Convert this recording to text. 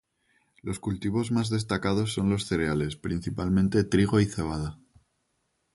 Los cultivos más destacados son los cereales, principalmente trigo y cebada.